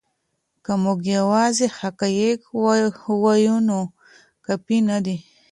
که موږ یوازې حقایق ووایو نو کافی نه دی.